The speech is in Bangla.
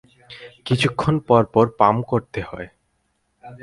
কিছুক্ষণ পরপর পাম্প করতে হয়।